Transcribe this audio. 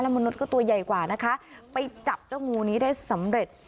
มนุษย์ก็ตัวใหญ่กว่านะคะไปจับเจ้างูนี้ได้สำเร็จ